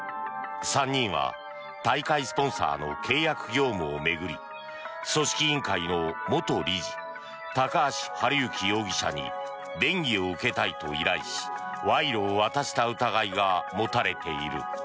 ３人は大会スポンサーの契約業務を巡り組織委員会の元理事高橋治之容疑者に便宜を受けたいと依頼し賄賂を渡した疑いが持たれている。